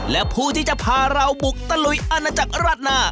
และผู้ที่จะพาเราบุกตะลุยอันนั้นจากรัฐนา